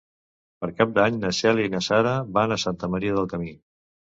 Per Cap d'Any na Cèlia i na Sara van a Santa Maria del Camí.